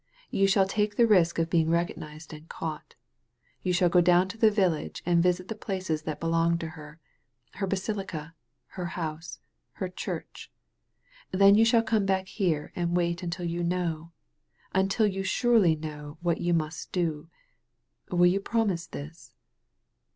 You shall take the risk of being recognized and cau^t. You shall go down to the village and visit the places that belong to her — her basilica, her house, her church. Then you shall come back here and wait until you know — ^until you surely know what you must do. Will you promise this